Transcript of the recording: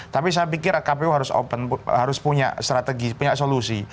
tapi saya pikir kpu harus open harus punya strategi punya solusi